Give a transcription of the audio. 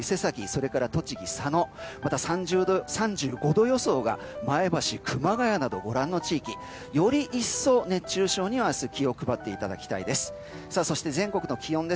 それから栃木・佐野また３５度予想が前橋、熊谷などご覧の地域より一層、熱中症には気を配っていただきたいです。